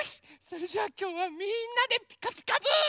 それじゃあきょうはみんなで「ピカピカブ！」。